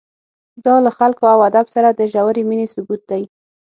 دا له خلکو او ادب سره د ژورې مینې ثبوت دی.